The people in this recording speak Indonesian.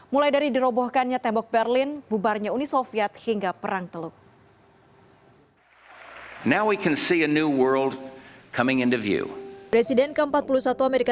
mulai dari dirobohkannya tembok berlin bubarnya uni soviet hingga perang teluk